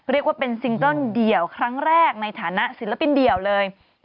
เรียกว่าเป็นซิงเกิ้ลเดี่ยวครั้งแรกในฐานะศิลปินเดี่ยวเลย